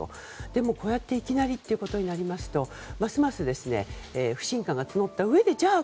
でも、こうやっていきなりとなりますとますます不信感が募ったうえでじゃあ